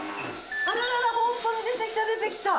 あらららホントに出てきた出てきた！